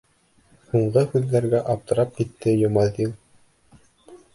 Һуңғы һүҙҙәргә аптырап китте Йомаҙил.